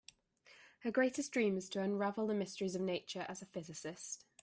Her greatest dream is to unravel the mysteries of nature as a physicist.